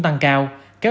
bảo tính minh châu